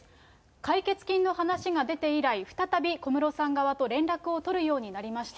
解決金の話が出て以来、再び、小室さん側と連絡を取るようになりました。